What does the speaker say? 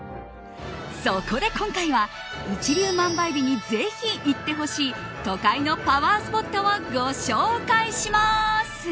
そこで今回は一粒万倍日にぜひ行ってほしい都会のパワースポットをご紹介します。